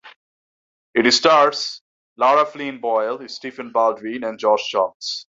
It stars Lara Flynn Boyle, Stephen Baldwin and Josh Charles.